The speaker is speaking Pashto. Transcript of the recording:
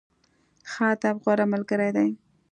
ښه ادب، غوره ملګری دی.